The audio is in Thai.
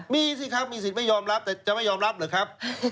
มีสิครับมีสิทธิ์ไม่ยอมรับแต่จะไม่ยอมรับเหรอครับ